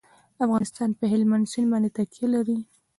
افغانستان په هلمند سیند باندې تکیه لري.